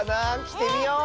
きてみよう！